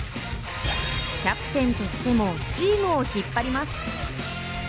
キャプテンとしてもチームを引っ張ります。